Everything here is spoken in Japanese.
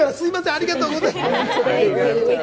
ありがとうございます。